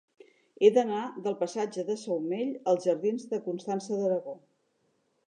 He d'anar del passatge de Saumell als jardins de Constança d'Aragó.